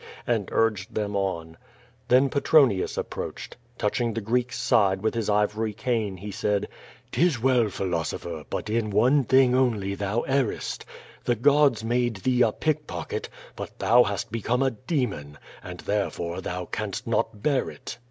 and urged them on. Then Petronius approached. Touching the Greek's side with his ivory cane, he said: " 'Tis well, philosopher, but in one thing only thou errest. The gods made thee a pickpocket, but thou hast become a demon, and therefore thou canst not bear it."